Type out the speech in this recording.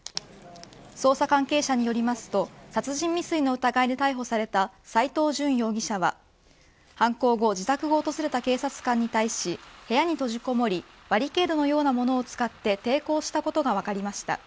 捜査関係者によりますと殺人未遂の疑いで逮捕された斎藤淳容疑者は犯行後自宅を訪れた警察官に対し部屋に閉じこもりバリケードのようなものを使って抵抗したことが分かりました。